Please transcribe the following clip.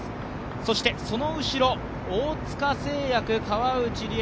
そしてその後ろ、大塚製薬川内理江